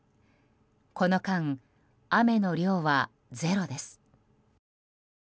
この間、雨の量はゼロです。